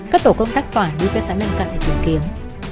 các tổ công thắc tỏa đi cơ sở lân cận để tìm kiếm